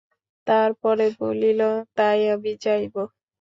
তার পরে বলিল, তাই আমি যাইব।